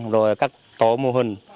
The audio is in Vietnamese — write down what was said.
rồi các tổ mô hình